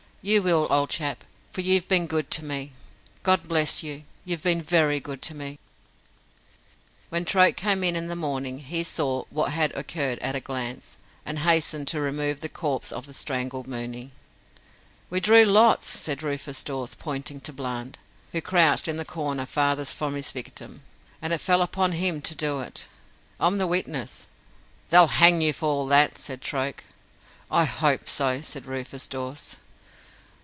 You will, old chap, for you've been good to me God bless you, you've been very good to me." When Troke came in the morning he saw what had occurred at a glance, and hastened to remove the corpse of the strangled Mooney. "We drew lots," said Rufus Dawes, pointing to Bland, who crouched in the corner farthest from his victim, "and it fell upon him to do it. I'm the witness." "They'll hang you for all that," said Troke. "I hope so," said Rufus Dawes.